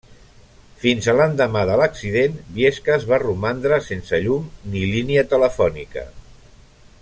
Fins a l'endemà de l'accident, Biescas va romandre sense llum ni línia telefònica.